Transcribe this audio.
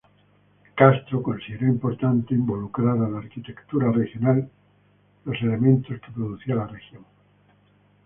Castro consideró importante involucrar en la arquitectura regional los elementos que producía la región.